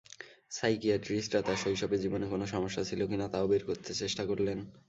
সাইকিয়াট্রিস্টরা তার শৈশবের জীবনে কোনো সমস্যা ছিল কি না তাও বের করতে চেষ্টা করলেন।